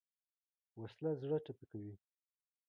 وسله زړه ټپي کوي